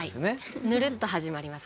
ぬるっと始まります